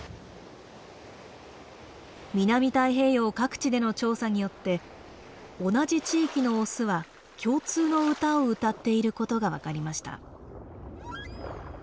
南太平洋各地での調査によって同じ地域のオスは共通の歌を歌っていることが分かりました。